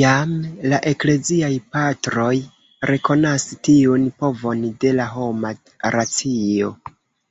Jam la Ekleziaj Patroj rekonas tiun povon de la homa racio.